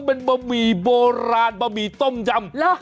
เป็นบะหมี่โบราณบะหมี่ต้มยำ